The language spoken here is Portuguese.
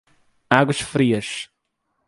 Águas Frias